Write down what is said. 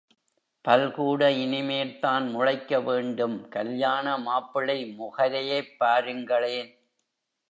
பல்கூட இனிமேல்தான் முளைக்க வேண்டும் கல்யாண மாப்பிள்ளை முகரையைப் பாருங்களேன்!